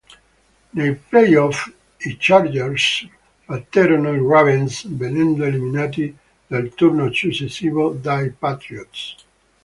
Nei playoff i Chargers batterono i Ravens, venendo eliminati nel turno successivo dai Patriots.